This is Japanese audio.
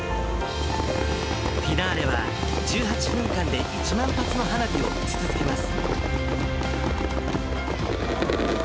フィナーレは、１８分間で１万発の花火を打ち続けます。